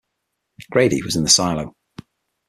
Grady was in the silo.